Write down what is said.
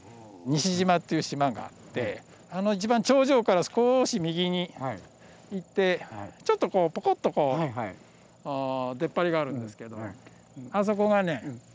西島っていう島があってあの一番頂上から少し右に行ってちょっとポコッとこう出っ張りがあるんですけれどもあそこがね